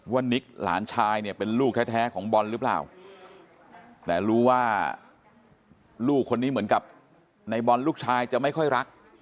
นิกหลานชายเนี่ยเป็นลูกแท้ของบอลหรือเปล่าแต่รู้ว่าลูกคนนี้เหมือนกับในบอลลูกชายจะไม่ค่อยรัก